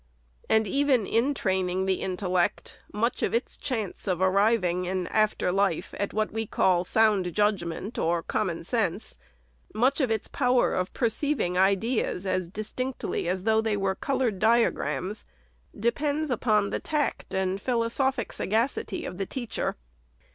And even in training the intellect, much of its chance of arriving, in after life, at what we call soand judgment, or common sense, much of its power of per ceiving ideas as distinctly as though they were colored diagrams, depends upon the tact and philosophic sagacity of the teacher.